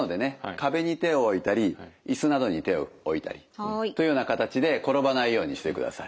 壁に手を置いたり椅子などに手を置いたりというような形で転ばないようにしてください。